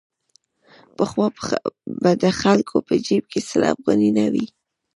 پخوا به د خلکو په جېب کې سل افغانۍ نه وې.